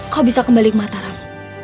kau bisa kembali ke mataram